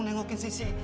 dan menengokin sissy